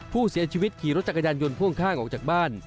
ผู้เสียชีวิตขี่รถจักรยานยนต์พ่วงข้างออกจากบ้าน